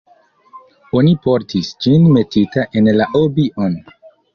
Oni portis ĝin metita en la "obi-on".